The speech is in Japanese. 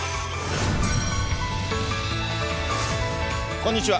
こんにちは。